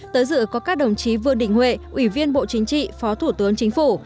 tới dự có các đồng chí vương đình huệ ủy viên bộ chính trị phó thủ tướng chính phủ